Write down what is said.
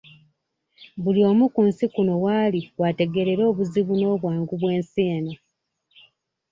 Buli omu ku nsi kuno w'ali w'ategeerera obuzibu n'obwangu bw'ensi eno.